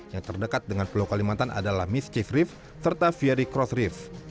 yang terdekat dengan pulau kalimantan adalah mischief reef serta fiery cross reef